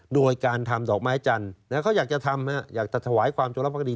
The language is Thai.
โดยการทำดอกไม้จันทร์เขาอยากจะทำอยากจะถวายความจงรักภักดี